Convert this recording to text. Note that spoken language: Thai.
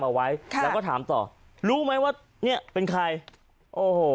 เอาไว้ค่ะแล้วก็ถามต่อรู้ไหมว่าเนี้ยเป็นใครโอ้โห